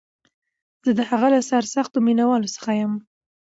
زه د هغه له سرسختو مینوالو څخه یم